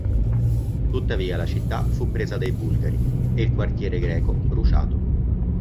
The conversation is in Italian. Tuttavia la città fu presa dai bulgari e il quartiere greco bruciato.